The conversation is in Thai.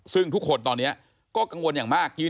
ซึ่งทุกคนตอนนี้ก็กังวลอย่างมาก